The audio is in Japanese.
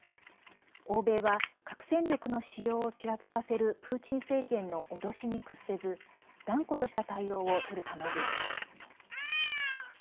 欧米は、核戦力の使用をちらつかせるプーチン政権の脅しに屈せず断固とした対応をとる構えです。